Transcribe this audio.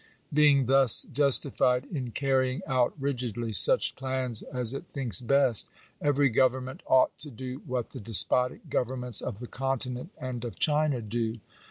Being thus justified in carrying out rigidly such plans as it thinks best, every government ought to do what the despotic governments of the Continent and of China do.